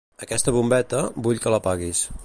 Aquesta bombeta, vull que l'apaguis.